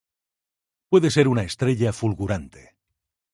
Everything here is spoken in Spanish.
Puede ser una estrella fulgurante.